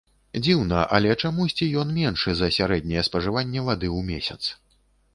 Дзіўна, але чамусьці ён меншы за сярэдняе спажыванне вады ў месяц.